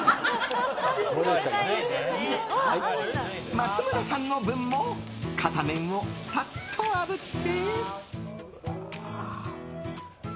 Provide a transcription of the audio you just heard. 松村さんの分も片面をサッとあぶって。